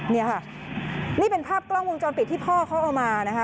นี่ค่ะนี่เป็นภาพกล้องวงจรปิดที่พ่อเขาเอามานะคะ